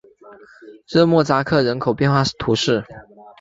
热莫扎克人口变化图示